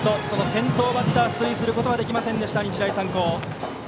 先頭バッターが出塁することはできませんでした、日大三高。